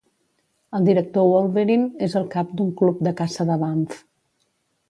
El Director Wolverine és el cap d'un "Club de caça de Bamf".